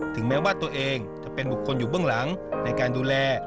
แม้ว่าตัวเองจะเป็นบุคคลอยู่เบื้องหลังในการดูแล